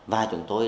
và chúng tôi